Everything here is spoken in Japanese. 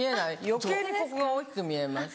余計にここが大きく見えます。